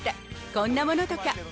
こんなものとか。